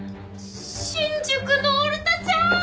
新宿のオルタちゃん！